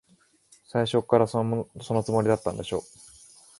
最初っから、そのつもりだったんでしょ。